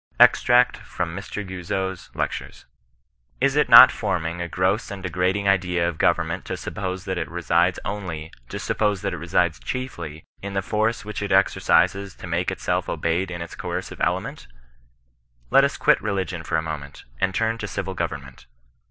EXTBACT FBOM M. OUIZOT's LECTURES. " Is it. not forming a gross and degrading idea of government to suppose that it resides otUt/, to suppose that it resides chieiiy, in the force which it exercises to make itself obeyed in its coercive element ]" Let us quit religion for a moment, and turn to civil government.